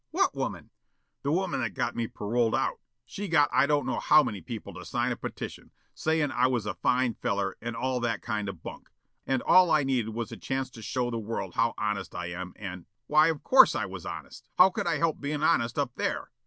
What woman?" "The woman that got me paroled out. She got I don't know how many people to sign a petition, sayin' I was a fine feller and all that kind o' bunk, and all I needed was a chance to show the world how honest I am and why, of course, I was honest. How could I help bein' honest up there?